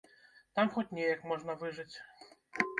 Там хоць неяк можна выжыць.